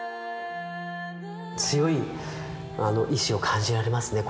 強い意志を感じられますね